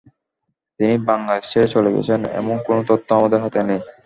তিনি বাংলাদেশ ছেড়ে চলে গেছেন এমন কোনো তথ্য আমাদের হাতে নেই।